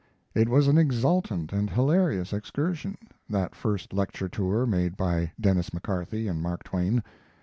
It was an exultant and hilarious excursion that first lecture tour made by Denis McCarthy and Mark Twain.